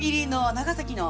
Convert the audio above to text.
長崎の？